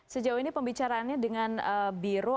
sejauh ini pembicaraannya dengan biro